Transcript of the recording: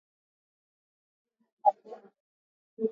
Kutibu wanyama magonjwa ya kitabibu